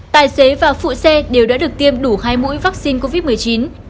tài xế và phụ xe đều đã được tiêm đủ hai mũi vaccine covid một mươi chín